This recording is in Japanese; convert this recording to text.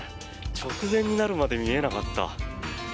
直前になるまで見えなかった。